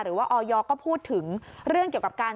หรือว่าออยยก็พูดถึงเรื่องเกี่ยวกับการ